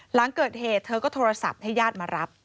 หลังเกิดเหตุเธอก็โทรศัพท์ให้ญาติมารับ